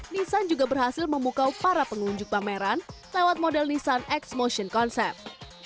nissan juga berhasil memukau para pengunjung pameran lewat model nissan exmotion concept